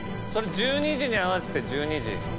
それ１２時に合わせて１２時。